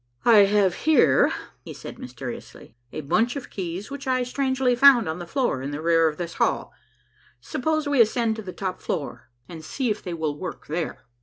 "I have here," he said mysteriously, "a bunch of keys which I strangely found on the floor in the rear of this hall. Suppose we ascend to the top floor and see if they will work there."